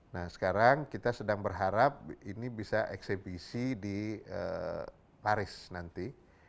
nah sekarang kita sedang berharap ini bisa eksebisi di paris nanti